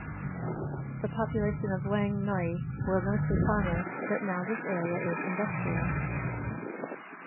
The population of Wang Noi were mostly farmers but now this area is industrial.